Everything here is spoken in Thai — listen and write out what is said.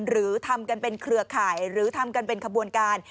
หรือทำกันเป็นเครือข่ายหรือทำกันเป็นขบวนการ